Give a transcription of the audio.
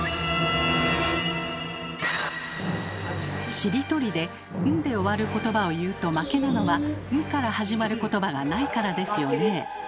しりとりで「ん」で終わることばを言うと負けなのは「ん」から始まることばがないからですよね。